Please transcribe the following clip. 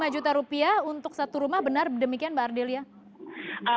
tujuh puluh lima juta rupiah untuk satu rumah benar demikian mbak ardhilya